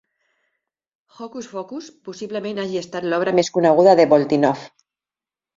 "Hocus-Focus" possiblement hagi estat l'obra més coneguda de Boltinoff.